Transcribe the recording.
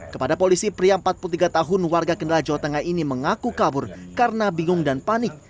kepada polisi pria empat puluh tiga tahun warga kendala jawa tengah ini mengaku kabur karena bingung dan panik